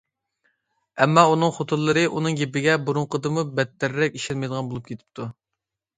ئەمما ئۇنىڭ خوتۇنلىرى ئۇنىڭ گېپىگە بۇرۇنقىدىنمۇ بەتتەررەك ئىشەنمەيدىغان بولۇپ كېتىپتۇ.